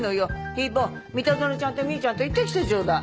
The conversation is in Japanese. ヒー坊三田園ちゃんと実優ちゃんと行ってきてちょうだい。